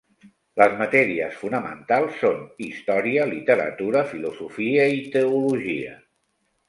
Les matèries fonamentals son Història, Literatura, Filosofia i Teologia.